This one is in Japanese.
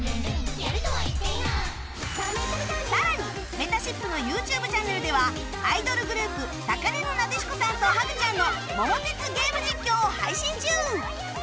さらにめたしっぷの ＹｏｕＴｕｂｅ チャンネルではアイドルグループ高嶺のなでしこさんとハグちゃんの『桃鉄』ゲーム実況を配信中！